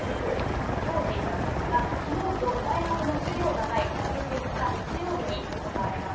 その行事なんですが、きのうと大学の授業がない今月５日日曜日に行われます。